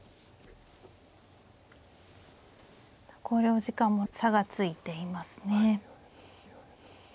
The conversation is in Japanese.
考慮時間も差がついていますね。